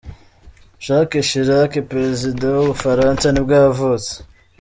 Jacques Chirac, perezida wa w’ubufaransa nibwo yavutse.